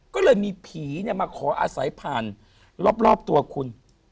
ก็เลยมีผีมาขออาศัยผ่านรอบตัวคุณ